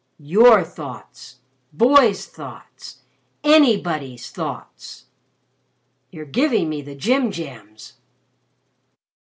"Your thoughts boys' thoughts anybody's thoughts." "You're giving me the jim jams!"